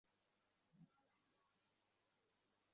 অসম্ভব রকমের ঘৃণা করি!